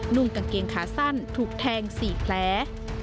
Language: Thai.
นุ่มกางเกงขาสั้นถูกแทงสี่แพล